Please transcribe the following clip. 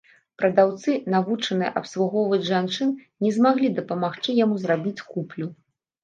Прадаўцы, навучаныя абслугоўваць жанчын, не змаглі дапамагчы яму зрабіць куплю.